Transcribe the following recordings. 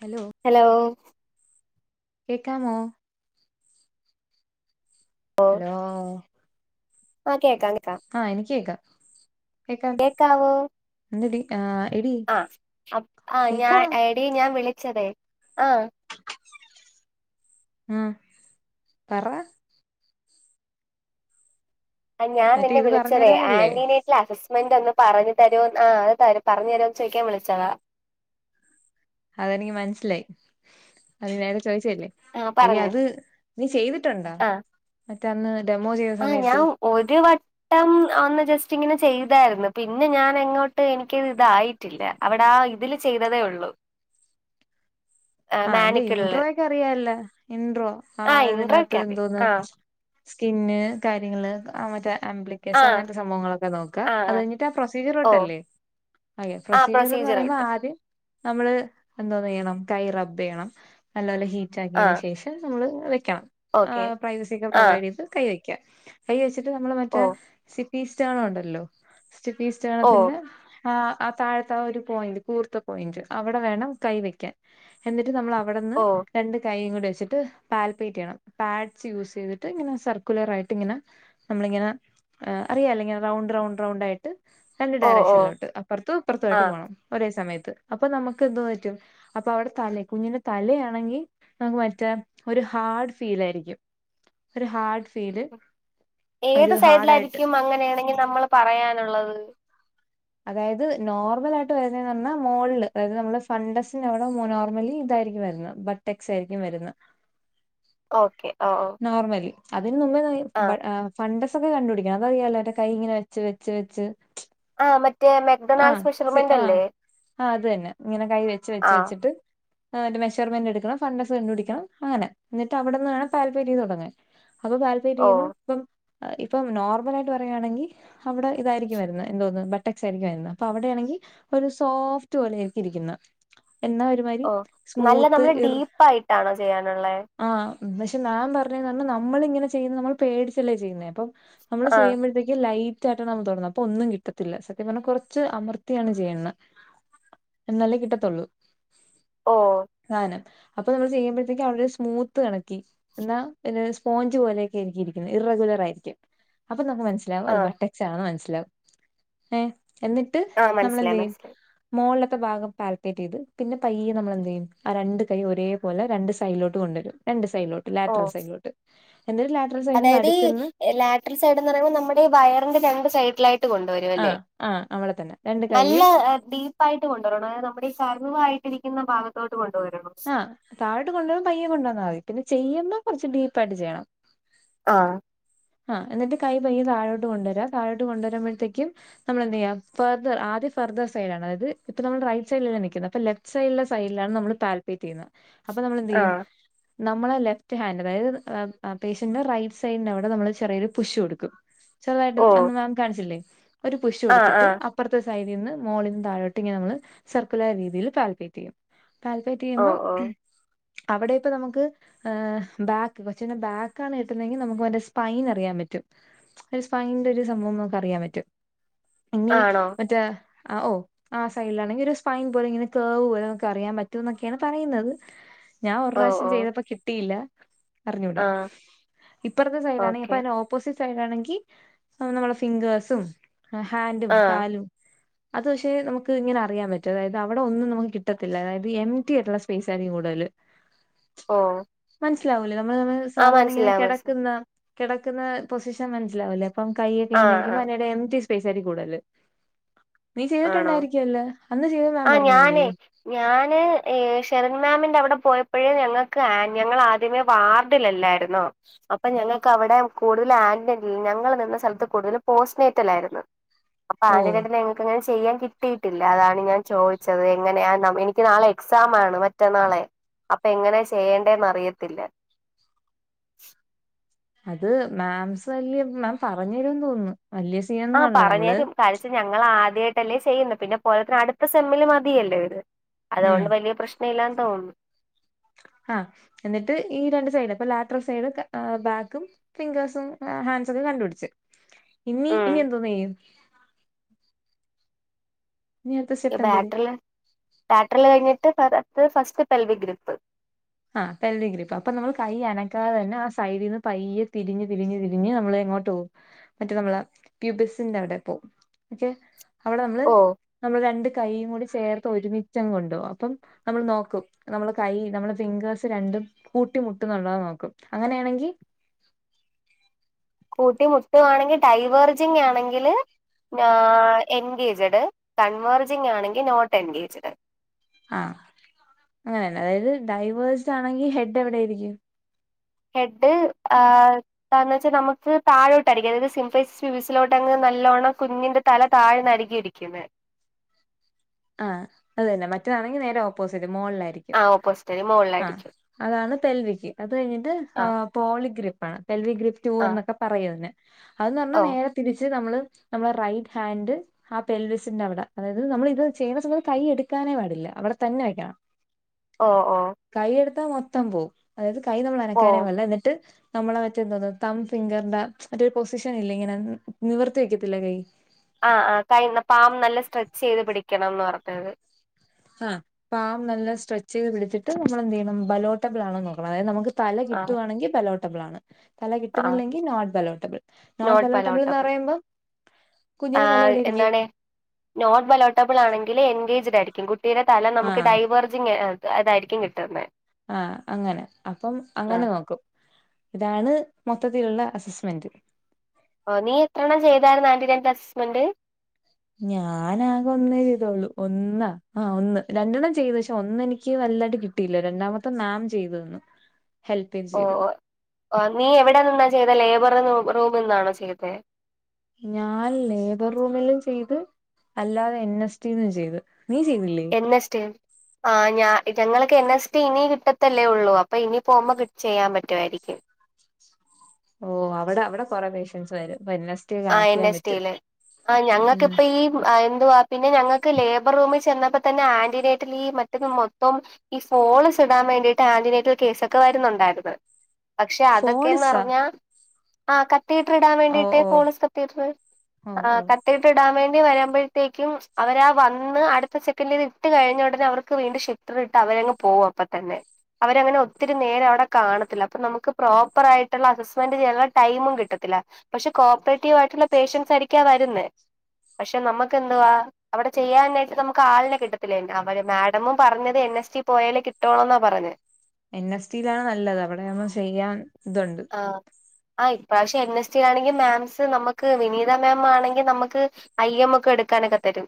Hello hello കേക്കാമോ? Hello ആഹ് കേക്കാം കേക്കാം ആഹ് എനിക്ക് കേക്കാം കോക്കാവോ ഇന്നടി ആഹ് എടി ആഹ് ആഹ് ഞാൻ കേക്കാം എടി ഞാൻ വിളിച്ചതെ ആഹ് ആഹ് പറ അ ഞാൻ മറ്റേ നിന്നെ ഇത് പറഞ്ഞു വിളിച്ചത് തരാനല്ലേ ആന്റി നെ ല്ല അസിസ്മെന്റ് ഒന്ന് പറഞ്ഞു തരോ ആഹ് അത് തരു പറഞ് തരോന്ന് ചോയിക്കാൻ വിളിച്ചതാ അതെനിക്ക് മനസ്സിലായി അത് നേരെ ചോയിച്ചല്ലേ ആ എടി പറഞ്ഞു അത് നീ ചെയ്തിട്ടുണ്ടോ? ആ മറ്റെ അന്ന് ഡെമോ ചെയ്ത ആ സമയത്ത്. ഞാൻ ഒരു വട്ടം അന്ന് ജസ്റ്റ് ഇങ്ങനെ ചെയ്തായിര്ന്ന്. പിന്നെ ഞാൻ എങ്ങോട്ട് എനിക്ക് ഇതായി ട്ടില്ലഅവിടെ ആ ഇതില് ചെയ്തതേ ഉള്ളൂ. [inaudible] ആഹ് അന്റെ മാനിക്കുള്ളില് ഇൻട്രോ ഒക്കെ അറിയാല്ല? ഇൻട്രോ ആ ഇൻട്രോ ഒക്കെ ഇതിനകത്ത് അറിയാം എന്തോന്ന് ആ സ്കിന്ന് കാര്യങ്ങള് ആ മറ്റേ ആബ്ലി കേസ ആ അങ്ങനത്തെ സംഭവങ്ങളൊക്കെ നോക അത് കഴിഞ്ട്ട് ആ ഓ പ്രൊസീജിയർോട്ടല്ലേ അതെ ആ പ്രൊസീജിയർ എന്ന് പറയുമ്പം വിട്ട് ആദ്യം നമ്മള് എന്തോന്ന് ചെയ്യണം കൈ റബ്ബ് ചെയ്യണം. നല്ലപോലെ ഹീറ്റ് ആ ആക്കിയന്ശേഷ് അയിന് നമ്മള് വെക്കാം ഓക്കെ പ്രൈവസി ഒക്കെ ആ പ്രൊവഡ് ചെയ്ത് കൈ വെക്ക്യ കൈ വെച്ചിട്ട് നമ്മള് ഓ മറ്റേ സിഫിസ്റ്റേണ് ഉണ്ടല്ലോ ഓ സ്റ്റിഫിസ്റ്റേണത്തിന്റെ ആഹ് ആഹ് താഴ്ത്തെ ആഹ് ഒരു പോയിന്റ്. കൂർത്ത പോയിന്റ് അവിടെ വേണം കൈ വെക്കാൻ എന്നിട്ട് നമ്മൾ അവിടെന്ന് ഓ രണ്ട് കൈയും കൂടി വെച്ചിട്ട് പാൽപേറ്റ് ചെയ്യണം. പാഡ്സ് യൂസ് ചെയ്ത്ട്ട് ഇങ്ങനെ സർക്കുലർ ആയിട്ട് ഇങ്ങനെ നമ്മളിങ്ങനെ അറിയാല ഇങ്ങനെ റൗണ്ട് റൗണ്ട് റൗണ്ട് ആയിട്ട് രണ്ട് ഓ ഓ ഡയറക്ഷൻലോട്ട് അപ്പൊറ്ത്തും ഇപ്പറ്ത്തു ആ ആയിട്ട് പോണം ഒരേ സമയത്ത് അപ്പൊ നമക്ക് എന്തന്ന് പറ്റും. അപ്പ അവിടെ തല കുഞ്ഞിൻ്റെ തലയാണെങ്കി നമു മറ്റെ ഒരു ഹാർഡ് ഫീൽ ആയിരിക്കും ഒരു ഹാർഡ് ഫീല് ഏത് ഒരു ഹാർഡായിട്ട് സൈഡിലായിരിക്കും അങ്ങനെയാണെങ്കി നമ്മൾ പറയാന്ള്ളത് അതായത് നോർമലായിട്ട് വരുന്നതെന്ന് പറഞ്ഞാ മോള്ല് അതായത് നമ്മള് ഫണ്ടസിന് അവിടെ നോർമലി ഇതായിരിക്കും വരുന്നത് ബട്ടക്സ് ആയിരിക്കും വരുന്നെ ഓക്കെ ഓ ഓ നോർമലി അതിന് നമ്മള് ആ ബ [unintelligible] ഫണ്ടസൊക്കെ കണ്ടുപിടിക്കണം അതറിയാലോ കൈ ഇങ്ങനെ വെച്ച് വെച്ച് വെച്ച് ആ മറ്റേ മെക്ഡൊണാൾഡ്സ് ഫെഷർമെന്റ് അല്ലേ ആഹ് അതെന്നെ ഇങ്ങനെ കൈ വെച്ച് വെച്ച് ആ വെച്ചിട്ട് ഇന്നട്ട് മെഷർമെന്റ് എടുക്കണം. ഫണ്ടസ് കണ്ടു പിടിക്കണം അഎന്നെ എന്നിട്ട് അവടന്ന് താല്പര്യം തൊടങ്ങെ. അപ്പൊ ഓ താല്പര്യുമ് ഇപ്പം ഇപ്പം നോർമലായിട്ട് പറയുവാണെങ്കി അവിടെ ഇതായിരിക്കും വരുന്നെ എന്തോന്നുന്നു ബട്ടക്സ് ആയിരിക്കു വരുന്നെ. അപ്പൊ അവിടെയാണെങ്കി ഒരു സോഫ്റ്റ് പോലെ ആയിരിക്കു ഇരിക്കുന്ന എന്നാ ഒരു ഒഹ് നല്ല നമ്മള് ഡീപ്പായിട്ടാണോ ചെയ്യാനുള്ളെ ആഹ് പക്ഷെ മാം പറ്ഞ്ഞ പറ്ഞ്ഞ നമ്മളിങ്ങനെ ചെയ്യുന്നത് നമ്മൾ പേടിച്ചെല്ലേ ചെയ്യുന്നേ അപ്പം നമ്മള് ആ ചെയ്യുമ്പഴ്ത്തേക്കും ലൈ ഇക്ക്യേട്ടനാണ് തോന്നുന്ന അപ്പൊ ഒന്നും കിട്ടത്തില്ല. സത്യം പറ്ഞ്ഞ കൊറ്ച്ച് അമർത്തിയണ് ചെയ്യുന്ന ഇന്നാലേ കിട്ടത്തൊള്ളൂ ഓഹ് സാനം. അപ്പൊ നമ്മള് ചെയ്യുമ്പഴത്തേക്കും അവിടെ സ്മൂത്ത് കണക്കി ഇന്നാ പിന്നെ സ്പോഞ്ച് പോലെയൊക്കെ ആരിക്ക്യു ഇരിക്കുന്ന. ഇറ് റെഗുലർ ആയിരിക്കും അപ്പൊ നമുക്ക് മനസ്സിലാവും ആ അത് ബട്ട ക്ഷാന്ന് മൻസ്സിലാവും. ഏഹ് എന്നിട്ട് ആ മനസ്സിലായി നമ്മളെന്തെയ്യും മനസ്സിലായി മോള്ത്തെ ഭാഗം പാൽ പേറ്റ് ചെയ്ത് പിന്നെ പയ്യെ നമ്മളെ എന്ത്ചെയ്യും ആഹ് രണ്ട് കൈ ഒരേപോലെ രണ്ട് സൈഡിലോട്ട് കൊണ്ടരും രണ്ട് സൈഡിലോട്ട് ഓ ലാറ്ററൽ സൈഡിലോട്ട് [unintelligible] അതായത് ഈ നടുക്കുന്ന് ലാട്രൽ സൈഡ് എന്ന് പറയുമ്പോ നമ്മുടെ ഈ വയറിന്റെ രണ്ട് സൈഡിലായിട്ട് കൊണ്ടുവ [unintelligible] ആ ല്ല ആ നമ്മളെ തന്നെ രണ്ട് നല്ല കൈയും [unintelligible] ആയിട്ട് കൊണ്ടൊരണെ. നമ്മുടെ ഈ സ [unintelligible] വാ യിട്ടിരിക്കുന്ന ഭാഗത്തോട്ട് കൊണ്ടുവരണം ആഹ് താഴൊട്ട് കൊണ്ടുവരുമ്പോ പയ്യെ വന്നാമതി പിന്നെ ചെയ്യുമ്പോ കൊറച്ച് ഡീപ്പ ആയിട്ട് ചെയ്യണം ആഹ് ആഹ്. എന്നിട്ട് കൈ പയ്യ തഴോട്ട് കൊണ്ടരാ. താഴോട്ട് കൊണ്ട രുമ്പഴത്തേക്കും നമ്മള് എന്ത് ചെയ്യ. ഫെർദ് ആദ്യ ഫെർദ് സൈഡാണ്. അത് ഇപ്പ നമ്മള് [unintelligible] വയറ്റ് സൈഡില നൽക്കുന്നത അപ്പ ലെഫ് സൈല സൈഡ്ലാണ് നമ്മള് പാൽപേറ്റ് ചെയ്യുന്ന അപ്പൊ നമ്മള് ആ എന്തെയ്യും. നമ്മള് ലെഫ്റ്റ് ഹൻഡ് അതായത് പേഷ്യന്റിന്റെ റൈറ്റ് സൈഡിന്റെ അവിടെ നമ്മള് ചെറിയൊരു പുഷ് കൊടുക്കും. ചെറ്തായിട്ട് ഓ അന്ന് മാം കാണിച്ചില്ലേ ഒരു പുഷു ആ ആ കൊടുത്തിട്ട് അപ് ഇപ്പറത്തെ സൈഡിന്ന് മോളിന്ന് താഴോട്ട് ഇങ്ങെനെ നമ്മള് സർക്കുലർ രീതിയില് താൽപേയ്റ്റെയ്യും താൽപേറ്റ് ഓ ചെയ്യുമ്പം ഓ ഉം അവിടെ ഇപ്പ നമുക്ക് എ ബാക്ക് കൊച്ചിൻ്റെ ബാക്കാണ് കിട്ടുന്നെങ്കി നമുക്ക് വറെ സ്പൈൻ അറിയാൻ പറ്റും. സ്പൈന്റെ ഒരു സംഭവം നമുക്ക് അറിയാൻ പറ്റും ഇനി ആണോ മറ്റെ അഹ് ഒഹ് ആ സൈലാണ്. ഇഞ്ഞൊരു സ്പൈൻ പോലെ ഇങ്ങനെ കേർവ് പോലെ അറിയാൻ പറ്റും ഇന്നൊക്കെയാണ് പറയുന്നത് ഞാൻ ഒറ് ഓ റാശ്യം ഓ ചെയ്തപ്പൊ കിട്ടിയില്ല. അറിഞ്ഞൂട ആ ഇപ്പറ്ത്തെ സൈഡാണെ ഓക്കെ [unintelligible] ഓപ്പോസിറ്റ് സൈഡാണെങ്കിൽ അത് നമ്മളെ ഫിങ്‌ഗേഴ്സും ഹാൻഡും ആ കാലും അത് പക്ഷെ നമുക്ക് ഇങ്ങനെ അറിയാൻ പറ്റും. അതായത് അവിടെ ഒന്നും നമുക്ക് കിട്ടത്തില്ല. അതായത് എം ടി ആയ്ട്ടുള്ള സ്പേസ് ആയിരിക്കും കൂടുതല് ഓ മന്സ്സിലാവൂലേ നമ്മള് തമ്മില് ആ സാധാരണങ്ങനെ മനസ്സിലായി മനസ്സിലായി കെടക്ക്ന്ന കെടക്ക്ന്ന പൊസിഷൻ മന്സ്സിലാവുല്ലേ അപ്പം കയ്യൊക്കെ ആ ആ ഇങ്ങനെയിരിക്കുമ്പോ അയിനെടെ ഇത്തിരി സ്പേസായിരിക്കൂടെല് നീ ആണോ ചെയ്തിട്ടുണ്ടായിരിക്ക്യുവല്ലോ അന്ന് ചെയ്ത മാം ആ ഞാനേ പറ്ഞ്ഞന്നില്ലേ ഞാന് ഏഹ് ഷെരൺ മാമിന്റെ അവടെ പോയപ്പഴേ ഞങ്ങക്ക് ആൻ ഞങ്ങളാ ദ്യമെ വാർഡിലെല്ലാരുന്നോ അപ്പൊ ഞങ്ങക്ക് അവടെ കൂടുതല് ആന്റ്ലി ഞങ്ങള് നിന്ന സ്ഥലത്ത് കൂടുതലും പോസ്നേറ്റ്ലാരുന്നു അപ്പാ ഓ ആന്റ്‌ലേറ്ററ്ല് എ ഞാ ചെയ്യാൻ കിട്ടിയിട്ടില്ല അതാണ് ഞാൻ ചോയിച്ചത് എങ്ങനെ ആഹ് നം എനിക്ക് നാളെ എക്സാമാണ് മറ്റന്നാളെ അപ്പെ എങ്ങനെ ചെയ്യണ്ടേന്ന് അറിയത്തില്ല അത് മാംസ് വല്ല്യ മാം പറ്ഞ്ഞേരും തോന്ന്‌ന്ന് വല്ല്യ ആഹ് പറഞ്ഞേരും കാഴിച്ച ഞങ്ങളാദ്യായിട്ടല്ലേ ചെയ്യ്ന്നെ പിന്നെ പോരാത്തേന് അടുത്ത സെമ്മില് മതിയല്ലൊ ഇത് ഉം അതോണ്ട് വല്ല്യ പ്രശ്നയില്ലാന്ന് തോന്ന്ന്ന് ആഹ് എന്നിട്ട് ഈ രണ്ട് സൈഡും ഇപ്പൊ ലാട്ടർ സൈഡൊക്കെ ഏഹ് ബാക്കും ഫിംഗേഴ്സും ആഹ് ഹാൻഡസൊക്കെ കണ്ടുട്ച്ച് ഇനി ഉം ഇനി എന്തോന്നെയ്യും ഇനി അടുത്ത യെ സ്റ്റെപ്പ് എന്തര് ബാറ്റർല് ബാറ്റർല് കഴിഞ്ഞിട്ട് [unintelligible] ഫസ്റ്റ് പെൽവി ഗ്രിപ്പ് ആഹ് പെൽവിൻ ഗ്രിപ്പ് അപ്പൊ നമ്മള് കൈ അനക്കാതെ തന്നെ ആ സൈഡീന്ന് പയ്യെ തിരിഞ്ഞ് തിരിഞ്ഞ് തിരിഞ്ഞ് നമ്മള് എങ്ങോട്ട് പോവും മറ്റെ നമ്മള് പ്യൂബസിന്റെ അവടെ പോവും ഒക്കെ അവിടെ നമ്മള് ഓ നമ്മള് രണ്ട് കൈയും കൂടി ചേർത്ത് ഒരുമിച്ചങ്ങ് കൊണ്ടോവും അപ്പം നമ്മൾ നോക്കും നമ്മള് കൈ നമ്മള് ഫിംഗേഴ്സ് രണ്ടും കൂട്ടിമുട്ടുന്നുട്ടോ നോക്കും അങ്ങനെയാണെങ്കി കൂട്ടി മുട്ടുവാണെങ്കി ഡൈവെർജിങ്ങാണെങ്കില് ഞാ എൻഗേജ്ഡ് കൺവെർജിങ്ങാണെങ്കില് നോട്ട് എൻഗേജ്ഡ് ആഹ് അങ്ങനന്നെ അതായത് ഡൈവെസ്ഡാണെങ്കി ഹെഡ് എവിടെ ആയിരിക്ക്യും ഹെഡ് ആഹ് താഴ്ന്ന്ച്ചാല് നമ്മക്ക് താഴോട്ടായിരിക്കും അതായത് സിമ്പേഴ്സ് സിവിസിലോട്ടങ്ങ് നല്ലോണ്ണം കുഞ്ഞിന്റെ തല താഴ്ന്നായിരിക്കും ഇരിക്കിന്നെ ആഹ് അതെന്നെ മറ്റതാണെങ്കി നേരെ ഓപ്പോസിറ്റ് മോള്ലായിരി ക്ക്യും ആഹ് ഓപ്പോസിറ്റ് അല്ല ആഹ് മോളിലായിരിക്കും അതാണ് പെൽവിക്ക് അത് കഴിഞ്ഞിട്ട് ആഹ് പോളി ഗ്രിപ്പാണ് പെൽവി ഗ്രിപ്പ് ടൂ ആഹ് എന്നൊക്കെ പറയതിനെ അത് ന്നർഞ്ഞാ ഓ നേരെ തിരിച്ച് നമ്മള് നമ്മളെ റൈറ്റ് ഹാൻഡ് ആ പെൽവിസിന്റെ അവിടെ അതായത് നമ്മള് ഇത് ചെയ്യ്ണ സമയത്ത് കൈയ്യ് എടുക്കാനേ പാടില്ല അവിടെ തന്നെ വെയ്ക്കണം ഓഹ് ഓഹ് കൈയെടുത്താ മൊത്തം പോവും അതായത് കൈ നമ്മള് ഓ അനക്കാനേ പാട്ല്ല എന്നിട്ട് നമ്മളെ മറ്റേ എന്തോന്ന് തം ഫിംഗറ്ന്റെ മറ്റൊരു പൊസിഷനില്ലേ ഇങ്ങനെ ന് നിവർത്തി വെക്ക്യത്തില്ലെ കൈ ആഹ് ആഹ് കൈയ്ന്നാ പാം നല്ല സ്ട്രെച്ചെയ്ത് പിടിക്കണന്ന് പറഞ്ഞേത് ആഹ് പാം നല്ല സ്ട്രെച്ചെയ്ത് പിടിച്ചിട്ട് നമ്മള് എന്തെയ്യണം ബലോട്ടബിൾ ആണോന്ന് നോക്കണം അതായത് നമ്മക്ക് തല ആഹ് കിട്ടുവാണെങ്കി ബെലോട്ടബിളാണ് തല ആഹ് കിട്ടുന്നില്ലെങ്കി നോട്ട് ബെലോട്ടബിൾ നോട്ട് ബെലോട്ടബിൾന്നർയുമ്പം കുഞ്ഞിന്റെ തല ആഹ് എവിടെയിരിക്കും എന്താണ് നോട്ട് ബെലോട്ടബിളാണെങ്കി എൻഗേജ്ഡായിരിക്കും കുട്ടിയുടെ തല നമ്മക്ക് ആഹ് ഡൈവേർജിങെ ഏഹ് തായതായിരിക്ക്യും കിട്ടുന്നെ ആഹ് അങ്ങനെ അപ്പം അങ്ങനെ ആഹ് നോക്കും ഇതാണ് മൊത്തത്തിലുള്ള അസിസ്മെന്റ് ഓഹ് നീ എത്രണം ചെയ്തായിരുന്നു ആന്റി ടെൻ പ്ലാസ്സ്മെന്റ് ഞാൻ ആകെ ഒന്നേ ചെയ്തോള്ളൂ ഒന്നാ ആ ഒന്ന് രണ്ടെണ്ണം ചെയ്തു പക്ഷേ ഒന്നെനിക്കി നല്ലായിട്ട് കി ട്ടിയില്ല രണ്ടാമത്തെ മാം ചെയ്ത് തന്നു ഹെൽപേജ് ഓഹ് ഓഹ് ചെയ്തു ഓഹ് ആഹ് നീ എവിടെന്നാ ചെയ്തെ ലേബറ്ന്ന് റൂമ്ന്നാണോ ചെയ്തെ ഞാൻ ലേബർ റൂമിലും ചെയ്ത് അല്ലാതെ എൻ എസ് ടി നും ചെയ്ത് നീ ചെയ്യ്ന്നില്ലേ എൻ എസ് ടേം ആഹ് ഞാ ഇത് ഞങ്ങൾക്ക് എൻ എസ് ടി ഇനി കിട്ടത്തല്ലേ ഒള്ളൂ അപ്പൊ ഇനി പോവുമ്പോ കി ചെയ്യാ പറ്റുവായിരിക്കും ഓഹ് അവിടെ അവിടെ കൊറെ പേഷ്യൻസ് വരും എൻ എസ് ടി ആഹ് കണക്ട് എൻ ചെയ്യാൻ എസ് റ്റി പറ്റും യില് ആഹ് ഞങ്ങൾക്ക് ഉം ഇപ്പ ഈ എന്തുവാ പിന്നെ ഞങ്ങൾക്ക് ലേബർ റൂമിൽ ചെന്നപ്പോ തന്നെ ആന്റിലേറ്ററിൽ മറ്റത് മൊത്തം ഈ ഫോളസ് ഇടാൻ വേണ്ടിയിട്ട് ആന്റനീറ്റൽ കേസൊക്കെ വരുന്നുണ്ടായിരുന്ന് പക്ഷെ അതൊക്കെയന്ന് ഫോളിസാ പറഞ്ഞാ ആ കത്തീട്ര് ഇടാൻ ഓ വേണ്ടിട്ട് ഓ ഫോളിസ് കത്തീട്ര് ഓ ങാ ഓ കത്തീ ഇടാൻ വേണ്ടി വരുമ്പോഴത്തേക്കും അവരാ വന്ന് അടുത്ത സെക്കൻഡ്ന് ഇട്ട് കഴിഞ്ഞ ഉടനെ അവർക്ക് വീണ്ടും ഷി ട്ര ഇട്ട് അവരങ്ങ് പോകും അപ്പ തന്നെ അവരങ്ങനെ ഒത്തിരി നേരം അവടെ കാണത്തില്ല അപ്പൊ നമുക്ക് പ്രോപ്പർ ആയിട്ടുള്ള അസസ്മെന്റ് ചെയ്യാനുള്ള ടൈമും കിട്ടത്തില്ല പക്ഷെ കോപ്പറേറ്റീവ് ആയിട്ടുള്ള പേഷ്യൻസ് ആയിരിക്കാ വരുന്നേ പക്ഷെ നമ്മുക്ക് എന്തുവാ അവടെ ചെയ്യാനായിട്ട് നമുക്ക് ആളിനെ കിട്ടത്തില്ലേ അവര് മാഡമും പറഞ്ഞത് എൻ എസ് റ്റി പോയാലേ കിട്ടൊള്ളോന്നാ പറഞ്ഞത് എൻ എസ് റ്റി യിലാണ് നല്ലത് അവിടെ ആവുമ്പോ ചെയ്യാൻ ഇതുണ്ട് ആഹ് ആ ഇപ്രാവശ്യം എൻ എസ് ടി ആണെങ്കിൽ മാംസ് നമുക്ക് വിനീത മാം ആണെങ്കിൽ നമുക്ക് ഐ എം മൊക്കെ എടുക്കാനൊക്കെ തരും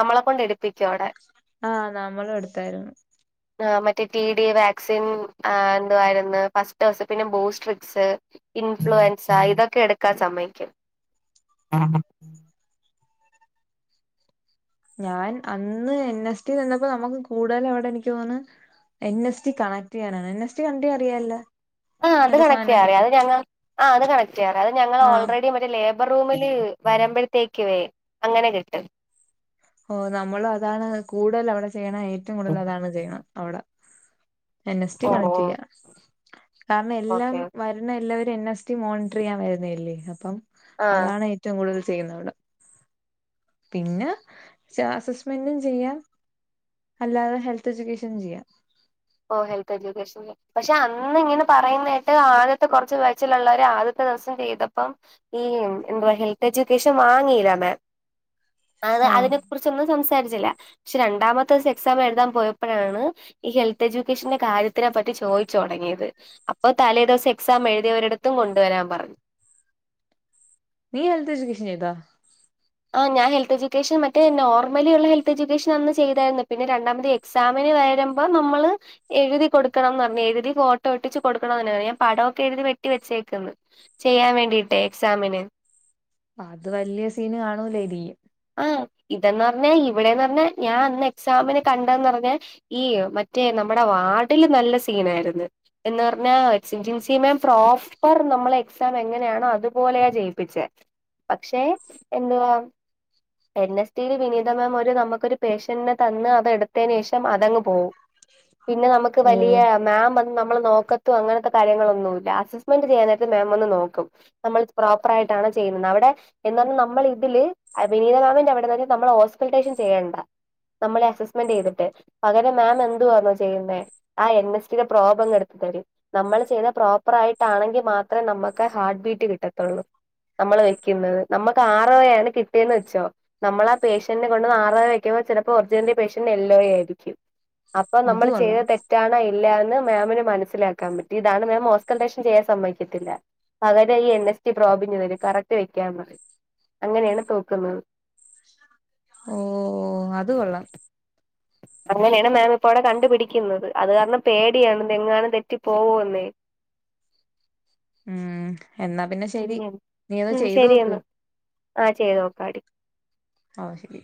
നമ്മളെ കൊണ്ട് എടുപ്പിക്കും അവിടെ ആഹ് നമ്മളും എടുത്തായിരുന്നു ആ മറ്റേ ടി ഡി വാക്സിൻ എന്തുാവായിരുന്ന് ഫസ്റ്റ് ഡോസ് പിന്നെ ബൂസ്റ്റ് ട്രിക്സ് ഇൻഫ്ലുവൻസ ഇതൊക്കെ എടുക്കാൻ സമ്മയിക്കും ഞാൻ അന്ന് എൻ എസ് ടി നിന്നപ്പോ നമുക്ക് കൂടുതല് അവിടെ എനിക്ക് തോന്നണ് എൻ എസ് ടി കണക്ട് ചെയ്യാനാണ് എൻ എസ് ടി കണ്ടേ അറിയാല ആഹ് അത് കണക്ടെയ്യാ അറിയ അത് ഞങ്ങൾ ആഹ് അത് കണക്ടെയ്യറിയാ അത് ഞങ്ങൾ ആഹ് ഓൾറെഡി ലേബർ റൂമില് വരുമ്പോഴത്തേക്കുവെ അങ്ങനെ കിട്ടും ഓ നമ്മള് അതാണ് കൂടുതൽ അവിടെ ചെയ്യണ ഏറ്റവും കൂടുതൽ അതാണ് ചെയ്യണെ അവടെ എൻ എസ് റ്റി ഓ ഓ കണക്റ്റെയ്യ കാരണം എല്ലാം ഓക്കെ വ വരുന്ന എല്ലാവരും എൻ എസ് ടി മോണിറ്ററെയ്യാൻ വരുന്നയല്ലേ അപ്പം ആഹ് അതാണ് ഏറ്റോം കൂടുതൽ ചെയ്യുന്നവിടെ പിന്നെ അസസ്മെന്റും ചെയ്യാം അല്ലാതെ ഹെൽത്ത് എജ്യൂക്കേഷനും ചെയ്യാം ഓ ഹെൽത്ത് എജ്യൂക്കേഷൻ പക്ഷെ അന്ന് ഇങ്ങനെ പറയുന്നേട്ട് ആദ്യത്തെ കൊറച്ച് വയച്ചിലുള്ളവര് ആദ്യത്തെ ദിവസം ചെയ്തപ്പം ഈ എന്തുവാ ഹെൽത്ത് എജ്യൂക്കേഷൻ വാങ്ങിലാ മേ ആഹ് അതിന് കുറിച്ചൊന്നും സംസാരിച്ചില്ല പക്ഷെ രണ്ടാമത്തീസം എക്സാം എഴുതാൻ പോയപ്പോഴാണ് ഈ ഹെൽത്ത് എജ്യുക്കേഷന്റെ കാര്യത്തിനെ പറ്റി ചോദിച്ചു തുടങ്ങിയത് അപ്പൊ തലേദിവസം എക്സാം എഴുതിയവരിടത്തും കൊണ്ടുവരാൻ പറഞ്ഞു നീ ഹെൽത്ത് എജ്യുക്കേഷൻ ചെയ്താ ആ ഞാൻ ഹെൽത്ത് എഡ്യൂേഷൻ മറ്റേ നോർമലിയുള്ള ഹെൽത്ത് എഡ്യൂക്കേഷൻ അന്ന് ചെയ്തായിരുന്നു പിന്നെ രണ്ടാമത് എക്സാമിന് വരുമ്പോ നമ്മള് എഴുതി കൊടുക്കണംന്ന് പറഞ്ഞ് എഴുതി ഫോട്ടോ ഒട്ടിച്ച് കൊടുക്കണംന്ന് പറഞ്ഞ് ഞാൻ പടൊക്കെ എഴുതി വെട്ടി വെച്ചേക്കുന്ന് ചെയ്യാൻ വേണ്ടിയിട്ടേ എക്സാമിന് അത് വലിയ സീന് കാണൂലേരിക്കും ആഹ് ഇതന്ന് പറഞ്ഞാ ഇവിടെന്ന് പറഞ്ഞ ഞാൻ അന്ന് എക്സാമിനന് കണ്ടന്ന് പറഞ്ഞ ഈ മറ്റേ നമ്മുടെ വാർഡില് നല്ല സീന് ആയിരുന്ന് എന്ന് പറഞ്ഞാ ജിൻസി മാം പ്രോപ്പർ നമ്മളെ എക്സാം എങ്ങനെയാണോ അതുപോലെയാ ചെയ്യിപ്പിച്ചേ പക്ഷെ എന്തുവാ എൻ എസ് റ്റി യിൽ വിനീതമാം ഒരു നമുക്കൊരു പേഷ്യന്റിനെ തന്ന് അതെടുത്തേനേഷം അതങ്ങ് പോവും പിന്നെ നമുക്ക് ഓ വലിയ മാം നമ്മൾ നോക്കത്തും അങ്ങനത്തെ കാര്യങ്ങളൊന്നുല്ല അസസ്മെന്റ് ചെയ്യാനായിട്ട് മാമ് ഒന്ന് നോക്കും നമ്മൾ പ്രോപ്പർ ആായിട്ടാണോ ചെയ്യുന്നത് അവിടെ എന്താ നമ്മളെ ഇതില് വിനീത മാമിന്റെ അവിടെ വരെ നമ്മൾ ഹോസ്പൾട്ടേഷൻ ചെയ്യണ്ട നമ്മളെ അസസ്മെന്റ് ചെയ്തിട്ട് പകരം മാം എന്തുവാന്നു ചെയ്യുന്നേ ആ എൻ എസ് റ്റി ടെ പ്രോബ് അങ്ങ് എടുത്ത് തരും നമ്മൾ ചെയ്ത പ്രോപ്പർ ആയിട്ടാണെങ്കിൽ മാത്രേ നമുക്ക് ഹാർട്ട് ബീറ്റ് കിട്ടത്തുള്ളൂ നമ്മള് വെക്കുന്നത് നമ്മുക്ക് ആറോയെ കി ട്ടിന്ന് വെച്ചോ നമ്മള് ആ പേഷ്യന്റിനെ കൊണ്ട് [unintelligible] വെക്കുമ്പോ ചെലപ്പോ ഒർജിനലി പേഷ്യന്റിന് യെല്ലോ ആയിരിക്കും. അപ്പൊ അത് നമ്മൾ കൊള്ളാം ചെയ്ത തെറ്റ് റ്റാണ് ഇല്ലാന്ന് മാമിന് മനസ്സിലാക്കാൻ പറ്റി ഇതാണ് മാം ഓൺസ്കൽട്ടേഷൻ ചെയ്യാൻ സമ്മയിക്കത്തില്ല പകര ഈ എൻ എസ്റ്റി പ്രോബിഞ് തര് കറക്റ്റ് വെക്കാന്ന് അങ്ങനെയാണ് തോക്കുന്നത്. ഓ അത് കൊള്ളം അങ്ങനെയാണ് മാം ഇപ്പോവിടെ കണ്ടുപിടിക്കുന്നത് അത് കാരണം പേടിയാണ് തെങ്ങാണ് തെറ്റി പോകെന്ന് ഉം എന്നാ പിന്നെ ശരി നീ അത് ചെയ്തു നോക്ക്. ആഹ് ചെയ്ത് നോക്കാടി ആ ശരി